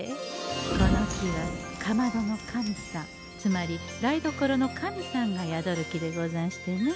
この木はかまどの神さんつまり台所の神さんが宿る木でござんしてねえ。